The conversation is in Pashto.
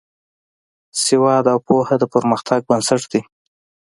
سواد او پوهه د پرمختګ بنسټ دی.